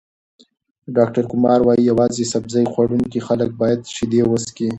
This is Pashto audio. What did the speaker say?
ډاکټر کمار وايي، یوازې سبزۍ خوړونکي خلک باید شیدې وڅښي.